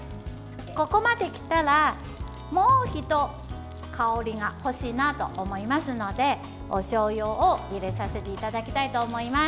ここまできたら、もうひと香りが欲しいなと思いますのでおしょうゆを入れさせていただきたいと思います。